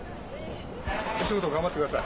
お仕事頑張って下さい。